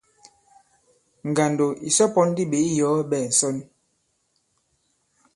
Ngàndò ìsɔ pɔ̄n ndi ɓě iyɔ̀ɔ ɓɛ̄ɛ ŋ̀sɔnl.